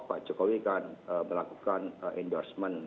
pak jokowi kan melakukan endorsement